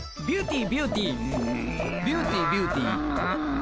ビューティービューティー。